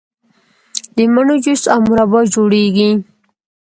د مڼو جوس او مربا جوړیږي.